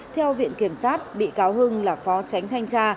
theo viện kiểm sát bị cáo hưng là phó tránh thanh tra